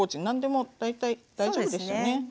何でも大体大丈夫ですよね。